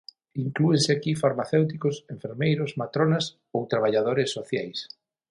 Inclúense aquí farmacéuticos, enfermeiros, matronas ou traballadores sociais.